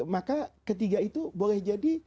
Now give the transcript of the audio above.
maka ketiga itu boleh jadi